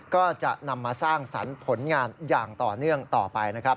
ก็จะนำมาสร้างสรรค์ผลงานอย่างต่อเนื่องต่อไปนะครับ